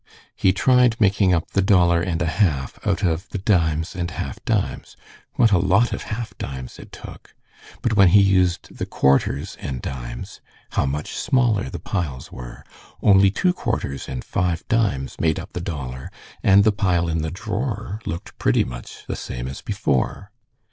He tried making up the dollar and a half out of the dimes and half dimes. What a lot of half dimes it took! But when he used the quarters and dimes, how much smaller the piles were. Only two quarters and five dimes made up the dollar, and the pile in the drawer looked pretty much the same as before.